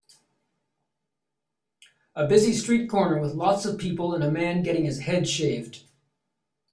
A busy street corner with lots of people and a man getting his head shaved